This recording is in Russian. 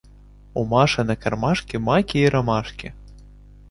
У Маши на кармашке маки и ромашки.